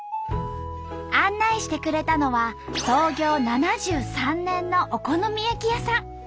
案内してくれたのは創業７３年のお好み焼き屋さん。